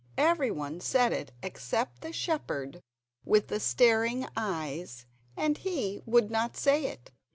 Every one said it except the shepherd with the staring eyes, and he would not say it.